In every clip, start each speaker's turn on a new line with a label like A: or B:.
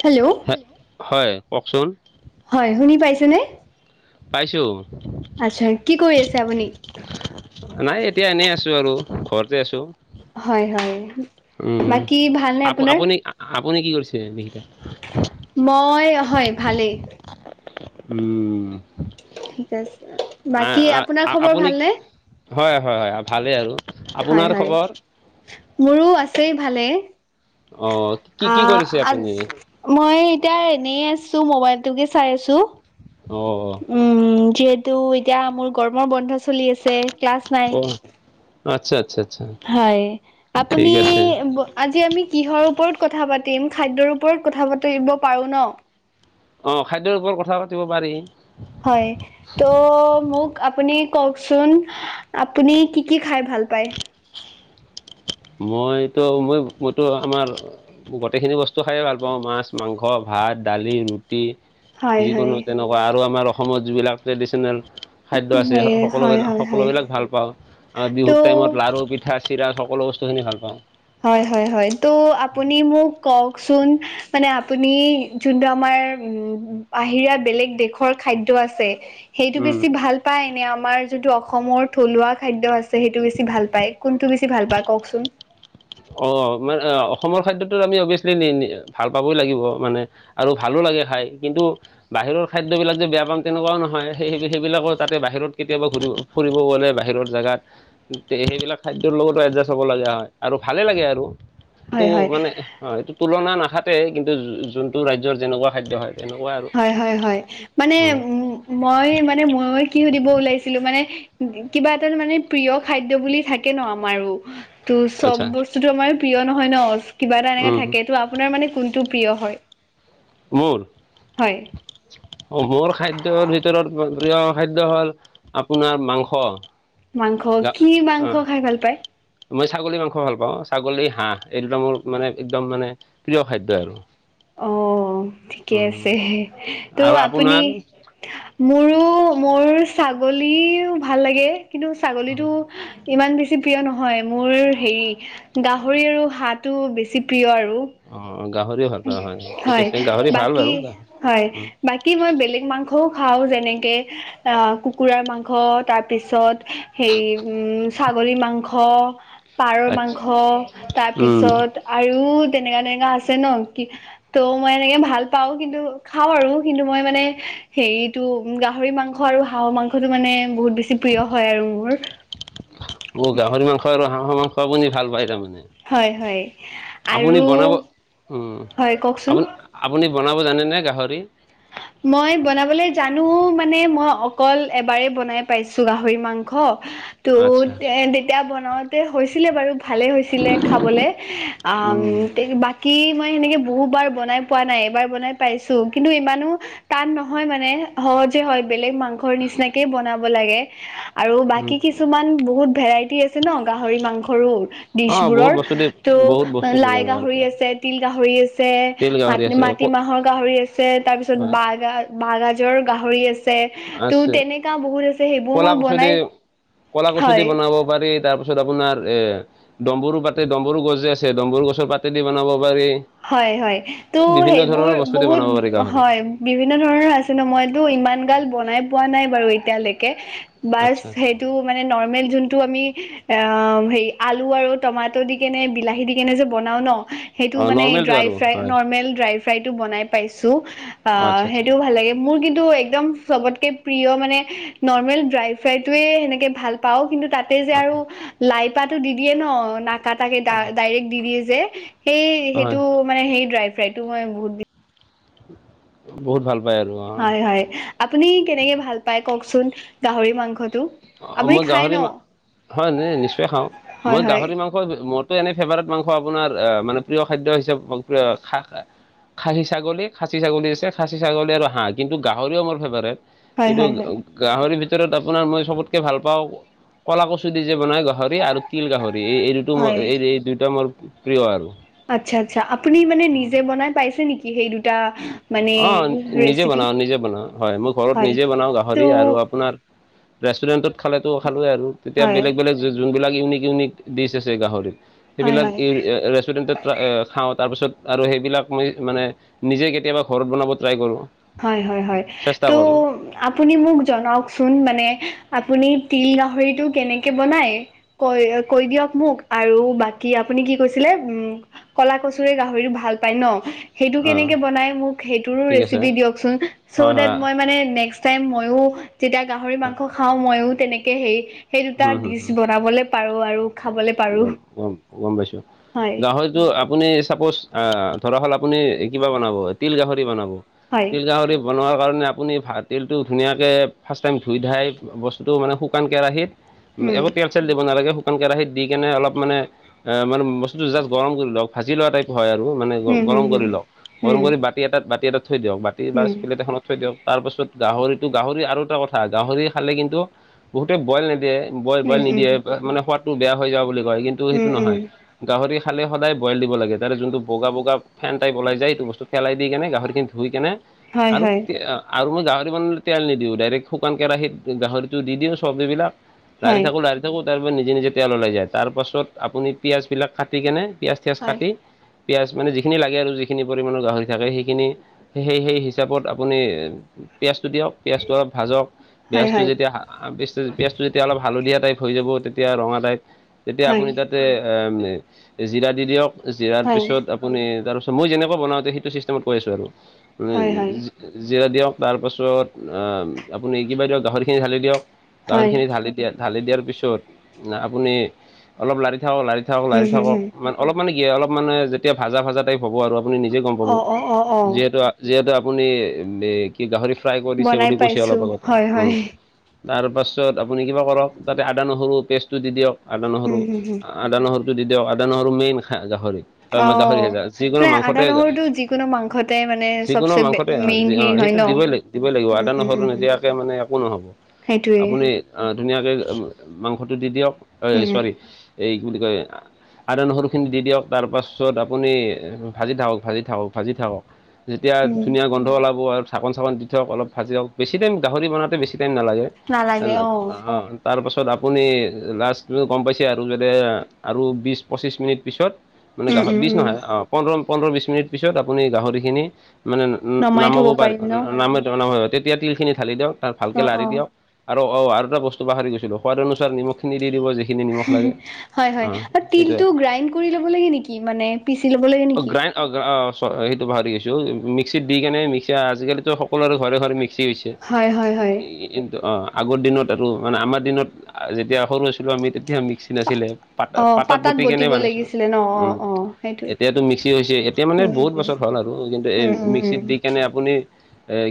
A: Hello
B: হয় কওকচোন।
A: হয় শুনি পাইছনে?
B: পাইছোঁ
A: আচ্ছা কি কৰি আছে আপুনি
B: নাই এতিয়া এনেই আছো আৰু ঘৰতে আছো
A: হয় হয় বাকী ভালনে
B: আপ
A: আপোনাৰ
B: আপুনি আপুনি কি কৰিছে মিলটা
A: মই হয় ভালেই
B: উম
A: ঠিক আছে
B: আ-
A: বাকী
B: আ-
A: আপোনাৰ
B: আ-
A: খবৰ
B: আপুনি
A: ভালনে?
B: হয় হয় হয় ভালেই আৰু
A: হয়
B: আপোনাৰ
A: হয়
B: খবৰ
A: মোৰো আছেই ভালে
B: অঁ কি কি
A: আহ
B: কৰিছে
A: আজ
B: আপুনি
A: মই এতিয়া এনে আছো মবাইলটোকে চাই আছো
B: অ অ
A: উম যিহেতু এতিয়া মোৰ গৰমৰ বন্ধ চলি আছে। ক্লাছ নাই।
B: অ আচ্ছা আচ্ছা আচ্ছা
A: হয়
B: ঠিক
A: আপুনি
B: আছে
A: ব আজি আমি কিহৰ ওপৰত কথা পাতিম খাদ্যৰ ওপৰত কথা পাতিব পাৰোঁ ন।
B: অঁ খাদ্যৰ ওপৰত কথা পাতিব পাৰি
A: হয় ত' মোক আপুনি কওকচোন আপুনি কি কি খাই ভাল পায়।
B: মইতো মই মইতো আমাৰ গোটেইখিনি বস্তু খাই ভাল পাওঁ মাছ, মাংস, ভাত, দালি, ৰুটি
A: হয়
B: টি
A: হয়
B: যিকোনো তেনেকুৱা আৰু আমাৰ অসমত যিবিলাক ট্ৰেডিশ্যনেল খাদ্য আছে
A: হয়
B: সকলোবিল
A: হয় হয়
B: সকলোবিলাক ভাল পাওঁ
A: ত'
B: বিহুত টাইমত লাড়ু পিঠা চিৰা সকলো বস্তু বস্তুখিনি ভাল পাওঁ।
A: হয় হয় হয় ত' আপুনি মোক কওকচোন? মানে, আপুনি যোনটো আমাৰ উ বাহিৰা বেলেগ দেশৰ খাদ্য আছে সেইটো
B: উম
A: বেছি ভাল পায় নে, আমাৰ যোনটো অসমৰ থলুৱা খাদ্য আছে সেইটো বেছি ভাল পায়, কোনটো বেছি ভাল পায় কওকচোন?
B: অঁ মানে অসমৰ খাদ্যটোত আমি অবিয়াচলি নি নি ভাল পাবই লাগিব মানে আৰু ভালো লাগে খাই কিন্তু, বাহিৰৰ খাদ্যবিলাক যে বেয়া পাম তেনেকুৱাও নহয়। সেই স সেইবিলাকো তাতে বাহিৰত কেতিয়াবা ঘূৰিব ফুৰিব গ'লে বাহিৰৰ জেগাত সেইবিলাক খাদ্যৰ লগতো এডজাষ্ট হ'ব লগা হয়, আৰু ভালেই লাগে আৰু এইটো
A: হয় হয়
B: মানে হয় এইটো তুলনা নাখাতে কিন্তু যোনটো ৰাজ্যৰ যেনেকুৱা খাদ্য হয়। তেনেকুৱা আৰু
A: হয় হয় হয় মানে
B: উম,
A: উ মই মানে মই কি সুধিব ওলাইছিলো মানে কিবা এটা মানে প্ৰিয় খাদ্য বুলি থাকে ন আমাৰো। ত' চব
B: আচ্ছা
A: বস্তুটো আমাৰ প্ৰিয় নহয় ন, কিবা এটা এনেকৈ
B: উম, উম।
A: থাকে ত' আপোনাৰ মানে কোনটো প্ৰিয় হয়?
B: মোৰ
A: হয়
B: অ মোৰ খাদ্যৰ ভিতৰত প্ৰিয় খাদ্য হ'ল আপোনাৰ মাংস
A: মাংস
B: গা
A: কি মাংস
B: অ'
A: খাই ভাল পায়?
B: মই ছাগলী মাংস ভাল পাওঁ। ছাগলী, হাঁহ এই দুটা মোৰ মানে একদম মানে প্ৰিয় খাদ্যই আৰু
A: অ ঠিকে
B: উম,
A: আছে
B: আৰু
A: ত' আপুনি
B: আপোনাৰ
A: মোৰো মোৰ ছাগলীও ভাল লাগে কিন্তু ছাগলীটো।
B: উম,
A: ইমান বেছি প্ৰিয় নহয় মোৰ হেৰি গাহৰি আৰু হাঁহটো বেছি প্ৰিয় আৰু
B: অ' গাহৰিও ভাল পাওঁ ঠিক
A: হয়
B: আছে গাহৰি ভাল
A: বাকী
B: বাৰু গাহৰি
A: হয়!
B: উম,
A: বাকী মই বেলেগ মাংসও খাওঁ, যেনেকৈ আহ কুকুৰাৰ মাংস, তাৰ পিছত হেই উম ছাগলী মাংস। পাৰৰ
B: আচ্ছা
A: মাংস
B: উম,
A: তাৰপিছত আৰু তেনেকা তেনেকা আছে ন কি ত' মই এনেকে ভাল পাও কিন্তু খাওঁ আৰু কিন্তু মই মানে হেৰিত ত গাহৰি মাংস আৰু হাঁহৰ মাংসটোটো মানে বহুত বেছি প্ৰিয় হয় আৰু মোৰ
B: অ গাহৰি মাংস আৰু হাঁহৰ মাংস আপুনি ভাল পায় তাৰমানে
A: হয় হয় আৰু
B: আপুনি বনাব
A: হয় কওকচোন
B: আপুনি আপুনি বনাব জানেনে গাহৰি?
A: মই বনাবলৈ জানো মানে, মই অকল এবাৰেই বনাই পাইছো গাহৰি মাংস। ত
B: আচ্ছা
A: তেতিয়া বনাওঁতে হৈছিলে বাৰু ভালেই হৈছিলে খাবলৈ, আ
B: উম,
A: তে বাকী কী মই সেনেকে বহু বাৰ বনাই পোৱা নাই, এবাৰ বনাই পাইছো কিন্তু ইমানো তান নহয় মানে সহজে হয় বেলেগ মাংসৰ নিচিনাকে বনাব লাগে। আৰু
B: উম।
A: বাকী কিছুমান বহুত ভেৰাইটি আছে ন গাহৰি মাংসৰো
B: অ বহুত
A: ডিচবোৰৰ
B: বস্তু দেই
A: ত'
B: বহুত বস্তু
A: লাই
B: বনাব
A: গাহৰি
B: পাৰা
A: আছে তিল গাহৰি আছে
B: তিল
A: ম
B: গাহৰি আছে
A: মাটিমাহৰ গাহৰি আছে তাৰপিছত
B: হয়
A: বা বাহ গাজৰ গাহৰি আছে ত
B: আছে
A: তেনেকা বহুত আছে সেইবোৰ
B: কলা
A: মই
B: কচু
A: বনাই
B: [unintelligible] কলা কচু দি
A: হয়
B: বনাব পাৰি তাৰ পিছত আপোনাৰ এ ডম্বৰু পাতে, ডম্বৰু গছ যে আছে ডম্বৰু গছৰ পাতে দি বনাব পাৰি। [unintelligible]
A: হয়-হয়। ত'
B: এ বিভিন্ন
A: সেইবোৰ
B: ধৰণৰ বস্তু দি
A: বহুত
B: বনাব পাৰি গাহৰি
A: হয় [unintelligible] বিভিন্ন ধৰণৰ আছে ন মইতো ইমান গাল বনাই পোৱা নাই বাৰু এতিয়ালৈকে বাছ
B: আচ্ছা
A: সেই [inaudible] [unintelligible] তো মানে নৰ্মেল যোৱাটো আমি আহ হেৰি আলু আৰু টমাটৰ দি কেনে বিলাহী দি কেনে যে বনাওঁ ন, সেইটো
B: অ
A: মানে
B: নৰ্মেলটো
A: ড্ৰাই
B: আৰু
A: ফ্ৰাই
B: হয়
A: নৰ্মেল ড্ৰাই [unintelligible] ফ্ৰাইটো বনাই পাইছোঁ,
B: অ
A: আহ
B: আচ্ছা আচ্ছা
A: সেইটোও ভাল লাগে। [unintelligible] মোৰ কিন্তু একদম চবতকে প্ৰিয় মানে নৰ্মেল ড্ৰাই ফ্ৰাইটোৱেই সেনেকে ভাল পাওঁ, কিন্তু [unintelligible] তাতে যে আৰু
B: অ
A: লাইপাতটো দি দিয়ে ন নাকাতাকে [unintelligible] ডাইৰেক্ট দি দিয়ে যে। সেই
B: অ হয়
A: সেইটো মানে সেই ড্ৰাই ফ্ৰাইটো মই বহুত [unintelligible]
B: বহুত ভাল পায় আৰু অঁ। [unintelligible]
A: হয়-হয়। আপুনি কেনেকে ভাল পায় কওঁকচোন গাহৰি মাংস? [unintelligible]
B: অ মই গাহৰি মা [unintelligible] হয় নিশ্চয় খাওঁ।
A: হয়
B: মই
A: হয়
B: গাহৰি মাংস [unintelligible] মোৰতো এনেই ফেভাৰেট মাংস আপোনাৰ আহ মানে প্ৰিয় খাদ্য হিচাপে খ [unintelligible] খাচী ছাগলী, খাচী ছাগলী আছে, খাচী ছাগলী আৰু হাঁহ কিন্তু গাহৰিও মোৰ ফেভৰেট। [unintelligible]
A: হয়
B: কিন্তু
A: হয় হয়
B: গাহৰি ভিতৰত আপোনাৰ মই [unintelligible] চবতকে ভাল পাওঁ কলা কচু দি যে বনাই গাহৰি আৰু তিল গাহৰি এই [unintelligible] এইটো মোৰ
A: হয়
B: [unintelligible] এই-এই দুইটা মোৰ প্ৰিয় আৰু।
A: আচ্ছা-আচ্ছা। আপুনি মানে নিজে বনাই পাইছে নেকি সেই দু [unintelligible]
B: অঁ নিজে বনাওঁ, নিজে বনাওঁ হয় মই ঘৰত
A: হয়
B: নিজে বনাওঁ
A: ত'
B: গাহৰি আৰু আপোনাৰ [unintelligible] ৰেষ্টুৰেন্টত খালেতো খালোৱে আৰু তেতিয়া
A: হয়
B: বেলেগ-বেলেগ [unintelligible] যোনবিলাক ইউনিক-ইউনিক ডিচ আছে গাহৰিৰ
A: হয়
B: সেইবিলাক
A: হয়
B: [unintelligible] ৰেষ্টুৰেণ্টত [unintelligible] খাওঁ তাৰপিছত আৰু সেইবিলাক [unintelligible] মই মানে নিজে কেতিয়াবা ঘৰত বনাব ট্ৰাই কৰোঁ।
A: হয়-হয়-হয়।
B: চেষ্টা
A: ত'
B: কৰোঁ
A: [unintelligible] আপুনি মোক জনাওক চোন মানে আপুনি তিল গাহৰিটো কেনেকে বনায়? [unintelligible] কৈ-কৈ দিয়ক মোক আৰু বাকী আপুনি কি কৈছিলে উম [unintelligible] কলা কচুৰে গাহৰিটো ভাল পায় ন। [unintelligible] সেইটো
B: অ
A: কেনেকে বনায় মোক সেইটোৰো
B: ঠিক আছে
A: ৰেচেপি দিয়ক চোন। চ
B: হয় হয়
A: দেট মই মানে নেক্স [unintelligible] টাইম মইয়ো যেতিয়া গাহৰি মাংস খাওঁ, মইও তেনেকে সেই-সেই দুটা ডিছ বনাবলৈ [unintelligible] পাৰোঁ আৰু [unintelligible] পাৰো
B: গম-গম-গম পাইছোঁ।
A: হয়
B: গাহৰিত [unintelligible] টো আপুনি চাপ'জ এ ধৰা হ'ল আপুনি কিবা বনাব, তিল গাহৰি বনাব। [unintelligible]
A: হয়
B: তিল গাহৰি বনোৱাৰ কাৰণে আপুনি তিলটো ধুনীয়াকে ফাৰ্ষ্ট টাইম ধুই ধাই বস্তু [unintelligible] বস্তুটো মানে শুকান কেৰাহিত
A: উম
B: একো তেল-চেল দিব নালাগে শুকান কেৰাহিত [unintelligible] দি কেনে অলপ মানে [unintelligible] মানে বস্তুটো জাষ্ট গৰম কৰি লওক। ভাজি লোৱা টাইপ হয় আৰু মানে
A: উম হুম
B: গৰম কৰি লওক, গৰম
A: হুম
B: কৰি বাতি এটাত, বাতি এটাত থৈ দিয়ক বাতি [unintelligible] [unintelligible] বা
A: উম
B: প্লেট এখনত থৈ দিয়ক তাৰপাছত গাহৰিটো গাহৰি আৰু এটা কথা গাহৰি খালে কিন্তু বহুতে বইল নিদিয়ে [unintelligible]
A: উম উম
B: বইল-বইল
A: উম
B: নিদিয়ে, মানে সোৱাদটো বেয়া হৈ যোৱা বুলি কয় কিন্তু
A: উম
B: সেইটো
A: উম
B: নহয়। [unintelligible] গাহৰি খালে সদায় বইল দিব লাগে তাৰে যোনটো বগা-বগা ফেন টাইপ ওলাই যায় এইটো বস্তু পেলাই দি কেনে, গাহৰিখিনি ধুই কেনে [unintelligible]
A: হয়
B: আৰু
A: হয়
B: কি আহ [unintelligible] আৰু মই গাহৰি বনালে তেল নিদিওঁ, ডাইৰেক্ট শুকান কেৰাহীত গাহৰিটো দি দিওঁ, চব্জিবিলাক [unintelligible] লাৰি
A: হয়
B: থাকোঁ, লাৰি থাকোঁ তাৰপৰা নিজে-নিজে তেল ওলাই যায়। তাৰ পাছত আপুনি পিঁয়াজবিলাক কাটি কেনে [unintelligible] পিঁয়াজ-চিঁয়াজ কাটি [unintelligible] পিঁয়াজ মানে যিখিনি লাগে আৰু যিখিনি পৰিমাণৰ গাহৰি থাকে, সেইখিনি সেই-সেই হিচাপত আপুনি [unintelligible] পিঁয়াজটো দিয়ক পিয়ঁয়জটো অলপ ভাজক
A: হয়
B: পিঁয়াজটো
A: হয়
B: যেতিয়া পিঁছটো পিঁয়াজটো যেতিয়া অলপ হালধীয়া টাইপ হৈ যাব তেতিয়া ৰঙা টাইপ
A: হয়
B: যেতিয়া
A: হয়
B: আপুনি তাত দে জিৰা দি দিয়ক জিৰাৰ
A: হয়
B: পিছত আপুনি তাৰপিছত মই যেনেকুৱা বনাওঁতে সেইটো ছিষ্টেমত কৈ আছোঁ আৰু মানে
A: হয় হয়
B: জিৰা দিয়ক তাৰপাছত আহ আপুনি কিবা দিয়ক গাহৰি খিনি ধালি দিয়ক গাহৰি
A: হয়
B: খিনি ঢালি দিয়া ঢালি দিয়াৰ পিছত আপুনি অলপ লাৰি থাকক লাৰি থাকক
A: হুম
B: লাৰি
A: হুম
B: থাকক
A: হুম
B: মান অলপ মানে কি অলপ মানে যেতিয়া ভাজা ভাজা টাইপ হ'ব আৰু আপুনি নিজে গম পাব
A: অ অ অ অ
B: যিহেতু যিহেতু আপুনি কি গাহৰি ফ্ৰাই কৰি দিছে
A: বনাই
B: বুলি কৈছে
A: পাইছো
B: অলপ আগতে
A: হয়
B: উম
A: হয়
B: তাৰ পাছত আপুনি কিবা কৰক তাতে আদা নহৰু পেষ্টটো দি দিয়ক আদা
A: হুম
B: নহৰু
A: হুম হুম
B: আদা নহৰু যদি দিয়ক আদা নহৰু মেইন গাহৰি ত
A: অ
B: মই গাহৰি সেজা যিকোনো
A: মানে আদা
B: মাংসতে
A: নহৰুটো যিকোনো মাংসতে মানে
B: যিকোনো
A: চবচে
B: মাংসতে আহ
A: মেইন
B: অ
A: হেৰি হয়
B: সেইটো
A: ন
B: দিবই লাগিব দিবই লাগিব
A: উম
B: আদা
A: উম
B: নহৰু
A: উম
B: নিদিয়াকে মানে একো নহব
A: সেইটোৱে
B: অ ধুনীয়াকৈ মাংসটো দি দিয়ক হয়
A: উম
B: ছৰি এই কি বুলি কয় আদা নহৰুখিনি দি দিয়ক তাৰপাছত আপুনি ভাজি থাকক ভাজি থাকক ভাজি থাকক যেতিয়া
A: উম
B: ধুনীয়া গন্ধ ওলাব আৰু ধাকন চাকন দি থ ওক ভাজি লওক বেছি টাইম গাহৰি বনাওঁতে বেছি টাইম নালাগে ন অ তাৰপাছত আপুনি লাষ্ট গম পাইছে আৰু যাতে আৰু বিছ পঁচিছ মিনিট পিছত মানে
A: উম
B: গাহত
A: উম
B: বি
A: উম
B: নহয় অ পোন্ধৰ পোন্ধৰ বিশ মিনিট পিছত আপুনি গাহৰিখিনি মানে
A: নমাই
B: নামাব
A: থব
B: পাৰি
A: পাৰিম ন
B: নাম নহয় তেতিয়া তিলখিনি ঢালি দিয়ক তাৰ ভালকে
A: অ
B: লাৰি
A: অ
B: দিয়ক আৰু অ আৰু এটা বস্তু পাহৰি গৈছিলো সোৱাদ অনুসাৰ নিমখিনি দি দিব যি
A: হয় হয়
B: এইটোয়ে
A: তিলটো গ্ৰাইণ্ড কৰি ল'ব লাগে নেকি মানে পিচি ল'ব লাগে নেকি
B: গ্ৰাইণ্ড অ অ সেইটো পাহৰি গৈছো মিক্সিত দি কেনে মিক্সি আজিকালিতো সকলোৰে ঘৰে ঘৰে মিক্সি হৈছে
A: হয় হয় হয়
B: আগৰ দিনত এইটো মানে আমাৰ দিনত যেতিয়া সৰু আছিলো আমি তেতিয়া মিক্সি নাছিলে পাত
A: অ
B: পাতাত পুতি কেনে
A: বটিব
B: মানে
A: লাগিছিলে ন অ
B: উম
A: অ সেইটোৱে।
B: এতিয়াতো মিক্সি হৈছে এতিয়া মানে
A: উম
B: বহুত
A: উম
B: বছৰ হ'ল আৰু কিন্তু এই
A: উম উম
B: মিক্সিত
A: উম
B: দি কেনে আপুনি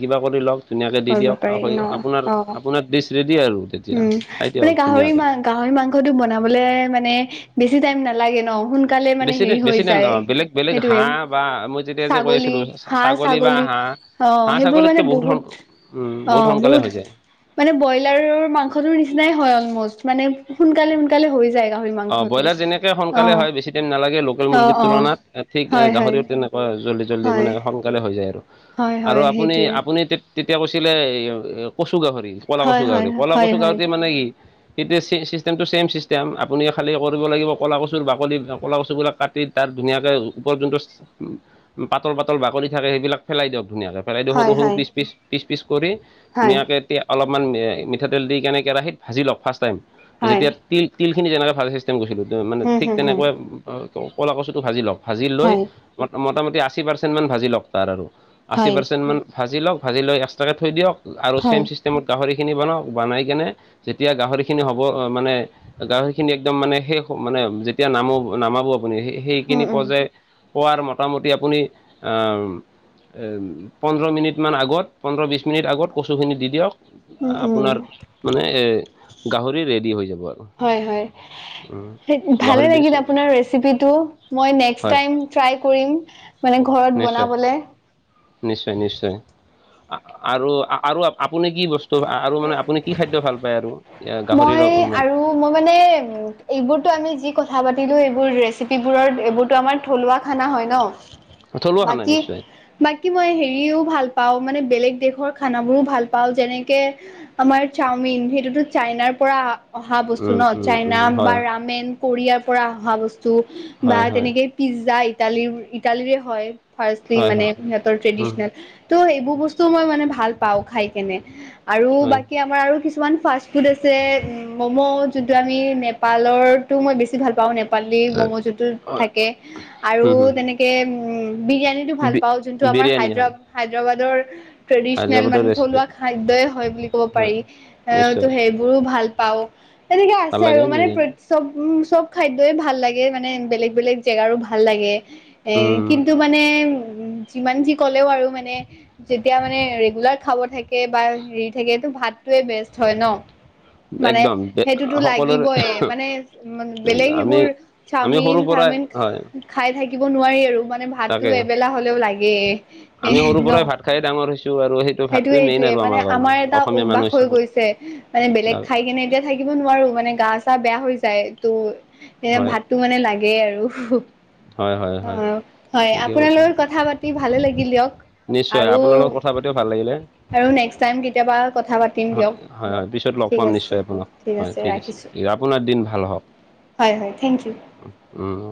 B: কিবা কৰি লওক ধুনীয়াকৈ দি
A: কৰিব
B: দিয়ক
A: পাৰি ন
B: আপোনাৰ
A: অ
B: আপোনাৰ ডিষ্ট ৰেডি আৰু তেতিয়া
A: উম
B: খাই
A: মানে
B: দিয়ক
A: গাহৰি
B: ধুনীয়াকে
A: মা গাহৰি মাংসটো বনাবলে মানে বেছি টাইম নালাগে ন সোনাল সোনকালে মানে
B: বেছি দে
A: হেৰি হৈ
B: বেছি টাইম
A: যায়
B: নহয় বেলেগ বেলেগ
A: সেইটোৱে
B: হাঁহ বা মই যেতিয়া যে কৈ
A: ছাগলী
B: আছিলোঁ
A: হাঁহ
B: বা
A: ছাগলী
B: হাঁহ
A: অ
B: হাঁহ
A: সেইবোৰ মানে
B: ছাগলীতকৈ
A: বহুত
B: সন- উম
A: অ
B: সোনকালে
A: বহুত
B: হৈ যায়
A: মানে ব্ৰইলাৰৰ মাংসটোৰ নিচিনাই হয় অলমষ্ট মানে সোনকালে সোনকালে হৈ যায় গাহৰি
B: অ
A: মাংসটো
B: ব্ৰইলাৰ যেনেকে
A: অ
B: সোনকালে হয় বেছি টাইম নালাগে লোকেল
A: অ
B: মুৰ্গীৰ
A: অ
B: তুলনাত ঠিক
A: হয়, হয়,
B: গাহৰিও তেনেকুৱা জল্দি জল্দি
A: হয়।
B: মানে সোনকালে হৈ যায় আৰু
A: হয়,
B: আৰু
A: হয়,
B: আপুনি
A: সেইটোৱে
B: আপুনি তে তেতিয়া কৈছিলে এ কচু গাহৰি কলা
A: হয়,
B: কচু
A: হয়,
B: গাহৰি কলা
A: হয়,
B: কচু
A: হয়,
B: গাহৰি মানে কি ইতিয়া [unintelligible] চিষ্টেমটো চেইম ছিষ্টেম আপুনি খালী কৰিব লাগিব ক'লা কচুৰ বাকলি কলা কচুবিলাক কাটি তাত ধুনীয়াকৈ ওপৰত যোনটো পাতল পাতল বাকলি থাকে সেইবিলাক পেলাই দিয়ক ধুনীয়াকে, [unintelligible] [unintelligible] সৰু
A: হয়,
B: সৰু
A: হয়,
B: পিচ পিচ পিচ পিচ কৰি
A: হয়।
B: ধুনীয়াকে তেতিয়া অলপমান মিঠাতেল দি কেনে কেৰাহীত ভাজি লওক ফাৰ্ষ্ট টাইম
A: হয়,
B: যেতিয়া তিল তিলখিনি যেনেকৈ ভাজি, গৈছিলো তেওঁ মানে
A: হুম,
B: ঠিক
A: হুম, হুম,
B: তেনেকৈ কলা কচুটো ভাজি লওক ভাজি লৈ,
A: হয়,
B: ম মোটামুটি আশী পাৰ্চেণ্ট মান ভাজি লওক তাৰ আৰু আশী
A: হয়,
B: পাৰ্চেণ্ট মান, ভাজি লওক ভাজি লৈ এক্সট্ৰাকৈ থৈ দিয়ক আৰু
A: হয়,
B: ছেম চিষ্টেম, গাহৰিখিনি বনাওক বনাই কেনে যেতিয়া গাহৰিখিনি হ'ব, মানে গাহৰি খিনি একদম মানে শেষ মানে যেতিয়া নাম নামাব আপুনি
A: উম,
B: সেইখিনি
A: উম।
B: পৰ্যায় পোৱাৰ মোটামুটি আপুনি পোন্ধৰ মিনিটমান আগত পোন্ধৰ বিছ মিনিট আগত কচুখিনি দি দিয়ক,
A: উম, উম,
B: আপোনাৰ মানে গাহৰি ৰেডি হৈ যাব আৰু,
A: হয় হয়! ভালে
B: গাহৰি ডিছ
A: লাগিলে আপোনাৰ ৰেচিপিটো, মই নেক্স
B: হয়
A: টাইম ট্ৰাই কৰিম! মানে ঘৰত
B: নিশ্চয়
A: বনাবলে,
B: নিশ্চয় নিশ্চয় আৰু আৰু আপুনি কি বস্তু, ত' আৰু মানে আপুনি কি খাদ্য ভাল পায় আৰু, গাহৰিৰ
A: মই
B: মানে
A: আৰু মই মানে এইবোৰতো আমি যি কথা পাতিলোঁ এইবোৰ ৰেচিপিবোৰ ৰ এইবোৰতো আমাৰ, থলুৱা খানা হয় ন
B: থলুৱা খানা
A: বাকী,
B: নিশ্চয়
A: বাকী মই হেৰিও ভাল পাওঁ মানে বেলেগ দেশৰ খানাবোৰো ভাল পাওঁ যেনে, আমাৰ চাওমিন সেইটোতো চাইনাৰ পৰা অহা, অহা বস্তু
B: উম
A: ন
B: উম
A: চাইনা
B: উম
A: বা
B: হয়
A: ৰামেন কোৰিয়াৰ পৰা অহা বস্তু বা
B: হয় হয়
A: তেনেকে, পিজ্জা ইটালীৰ ইটালীৰে হয় ফাষ্টলি
B: হয়
A: মানে
B: হয়
A: সিহঁতৰ
B: উম
A: ট্ৰেডিচনেল, ত' সেইবোৰ বস্তুও মই মানে ভাল পাও খাই কেনে আৰু
B: হয়
A: বাকী আমাৰ আৰু কিছু, কিছুমান ফাষ্টফুড আছে ম'ম' যোনটো আমি নেপালৰতো মই বেছি ভাল পাওঁ মানে। নেপালী মম যোনতো
B: হয়
A: থাকে আৰু
B: হুম হুম
A: তেনেকে উ বিৰিয়া নী, ভাল
B: বি
A: পাও যোনটো আমাৰ হাই
B: বিৰিয়ানী হয়
A: দৰাবাদৰ ট্ৰেডিচনেল
B: হায়দৰাবাদৰ
A: মানে
B: ৰেচিপি
A: থলুৱা খাদ্যই, হয় বুলি কব
B: হয়
A: পাৰি এ ত
B: নিশ্চয়
A: সেইবোৰো ভাল পাও তেনেকে
B: ভাল
A: আছে
B: লাগে
A: আৰু মানে প্ৰ,
B: বিৰিয়ানী
A: চব উ চব খাদ্যই ভাল লাগে মানে বেলেগ বেলেগ জেগাৰো ভাল লাগে, এ
B: উম
A: কিন্তু মানে উ যিমান যি ক'লেও আৰু মানে, যেতিয়া মানে ৰেগুলাৰ খাব থাকে বা হেৰি থাকেটো ভাতটোৱে বেষ্ট হয় ন? মানে
B: একদম
A: সেইটোতো
B: সকলোৰে
A: লাগিবই মানে উ বেলেগ
B: আমি
A: সেইবোৰ,
B: আমি
A: চাওমিন
B: সৰুৰ পৰাই
A: চাওমিন,
B: হয়
A: খাই থাকিব নোৱাৰি আৰু মানে ভাতো
B: তাকে
A: এবেলা হলেও লাগে,
B: আমি সৰুৰ
A: ন
B: পৰাই ভাত খাই ডাঙৰ হৈছো আৰু সেই,
A: সেইটোয়ে এইটোৱে মানে আমাৰ এটা অভ্যাস
B: মানুহ
A: হৈ
B: হিচাপত
A: গৈছে মানে বেলেগ
B: হয়
A: খাই কেনে এতিয়া, থাকিব নোৱাৰো মানে গা চা বেয়া হৈ যায় ত' এনে
B: হয়
A: ভাতটো মানে লাগে আৰু,
B: হয় হয়
A: অঁ,
B: হয়
A: হয়
B: ঠিকে
A: আপোনা
B: কৈছে
A: লগত কথা পাতি ভালে লাগিল দিয়ক
B: নিশ্চয়
A: আৰু,
B: আপোনাৰ লগত কথা ভাল লাগিলে
A: আৰু নেক্সট টাইম কেতিয়াবা কথা পাতিম
B: হয়
A: দিয়ক
B: হয় হয় পিছত লগ
A: ঠিক
B: পাম
A: আছে
B: নিশ্চয় আপোনাক! হয় ঠিক আছে
A: ৰাখিছোঁ
B: ঠিক আছে আপোনাৰ দিন ভাল হওক!
A: হয় হয় থেংক ইউ!
B: উম